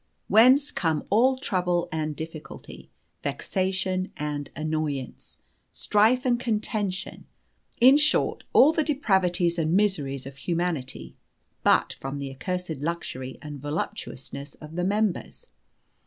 Whence come all trouble and difficulty, vexation and annoyance, strife and contention in short, all the depravities and miseries of humanity, but from the accursed luxury and voluptuousness of the members?